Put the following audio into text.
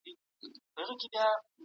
تېر سياسي جريانونه نيمګړتياوې لري.